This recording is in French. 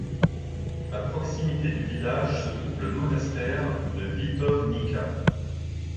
À proximité du village se trouve le monastère de Vitovnica.